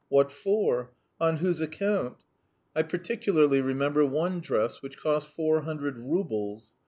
What for? On whose account? I particularly remember one dress which cost four hundred roubles.